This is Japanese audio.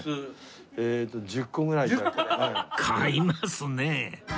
買いますねえ